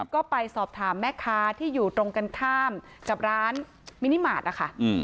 ก็ไปสอบถามแม่ค้าที่อยู่ตรงกันข้ามกับร้านมินิมาตรนะคะ